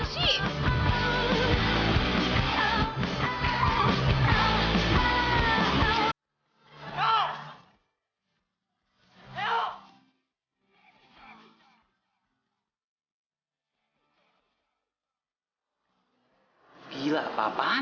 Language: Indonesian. nggak di depan